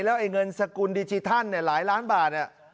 แล้วไอ้เงินสกุลดิจิทัลหลายล้านบาท